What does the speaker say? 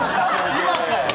今かよ！